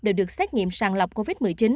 đều được xét nghiệm sàng lọc covid một mươi chín